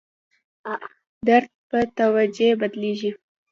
درد په توجیه بدلېږي.